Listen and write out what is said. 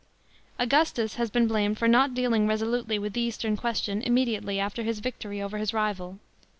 § 2. Augustus has been blamed for not dealing resolutely with the Eastern question immediately after his victory over his rival.